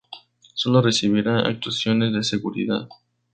Solo recibirá actualizaciones de seguridad.